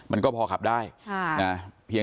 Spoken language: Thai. มันก็พอขับได้